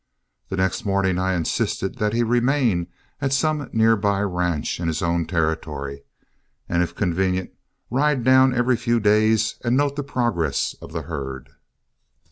The next morning I insisted that he remain at some near by ranch in his own territory, and, if convenient, ride down every few days and note the progress of the herd.